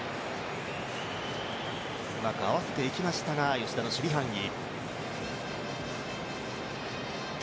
うまく合わせていきましたが、吉田の守備範囲。